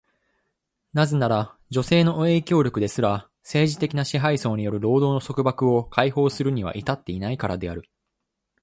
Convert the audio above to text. なぜなら、女性の影響力ですら、政治的な支配層による労働の束縛を解放するには至っていないからである。